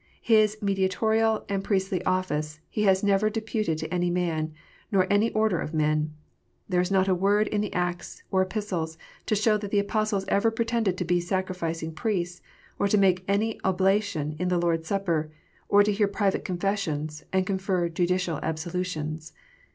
His mediatorial and priestly office He has never deputed to any man, or any order of men. There is not a word in the Acts or Epistles to show that the Apostles ever pretended to be sacrificing priests, or to make any oblation in the Lord s Supper, or to hear private confessions, and confer judicial absolutions.